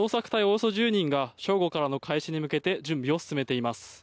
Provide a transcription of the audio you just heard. およそ１０人が正午からの開始に向けて準備を進めています。